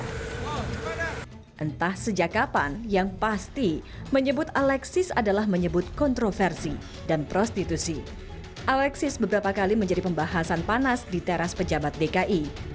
tentang keadaan dki jakarta penutup alexis menyebutnya sebagai pembahasan panas di teras pejabat dki